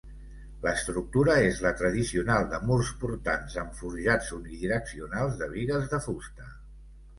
L'estructura és la tradicional de murs portants amb forjats unidireccionals de bigues de fusta.